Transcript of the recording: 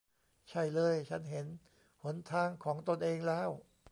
ใช่เลย ฉันเห็นหนทางของตนเองแล้ว